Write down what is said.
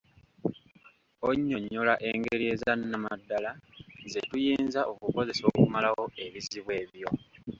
Onnyonnyola engeri ezannamaddala ze tuyinza okukozesa okumalawo ebizibu ebyo.